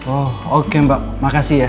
oh oke mbak makasih ya